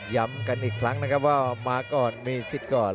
ย้ำกันอีกครั้งนะครับว่ามาก่อนมีสิทธิ์ก่อน